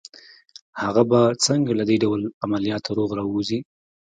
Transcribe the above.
هغه به څنګه له دې ډول عملياته روغ را ووځي